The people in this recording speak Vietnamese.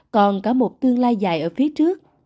còn cả một tương lai dài ở phía trước